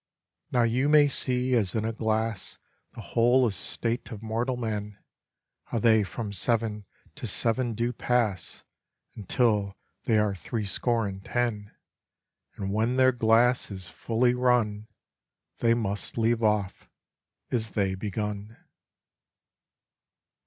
Now you may see, as in a glass, The whole estate of mortal men; How they from seven to seven do pass, Until they are threescore and ten; And when their glass is fully run, They must leave off as they begun.